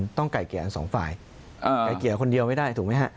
ต้องไก่เกลี่ยกันสองฝ่ายไก่เกลี่ยคนเดียวไม่ได้ถูกไหมฮะ